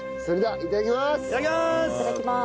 いただきます。